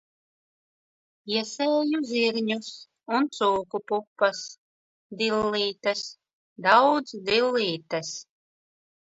Iesēju zirņus un cūku pupas. Dillītes, daudz dillītes.